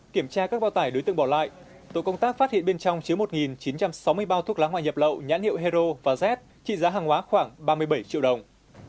kiểm tra các bao tải đối tượng bỏ lại tổ công tác phát hiện bên trong chứa một chín trăm sáu mươi bao thuốc lá ngoại nhập lậu nhãn hiệu hero và z trị giá hàng hóa khoảng ba mươi bảy triệu đồng